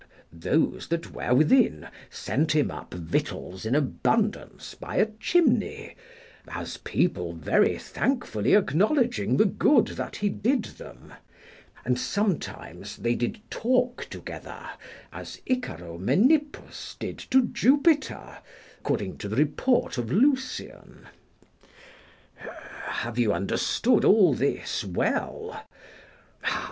Those that were within sent him up victuals in abundance by a chimney, as people very thankfully acknowledging the good that he did them. And sometimes they did talk together as Icaromenippus did to Jupiter, according to the report of Lucian. Have you understood all this well?